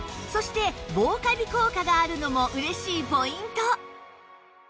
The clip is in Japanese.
そして防カビ効果があるのも嬉しいポイント